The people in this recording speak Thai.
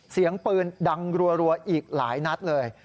เสียงปืนดังรัวอีกหลายนัดเลย